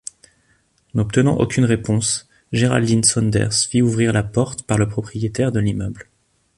N’obtenant aucune réponse, Jeraldine Saunders fit ouvrir la porte par le propriétaire de l’immeuble.